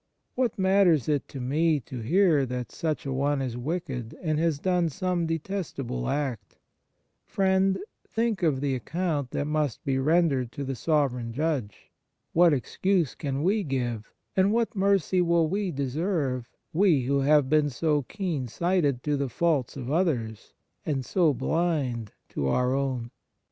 What matters it to me to hear that such a one is wicked, and has done some detestable act ? Friend, think of the account that must be rendered to the Sovereign Judge. What excuse can we give, and what mercy will we deserve we who have been so keen sighted to the faults of others, and so blind to our own